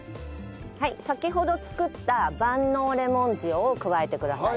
先ほど作った万能レモン塩を加えてください。